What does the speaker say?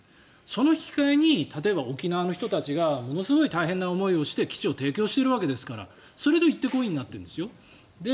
その引き換えに沖縄の人たちがものすごい大変な思いをして基地を提供しているわけですからそれで行って来いになっているわけですよ。